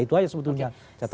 itu aja sebetulnya catatannya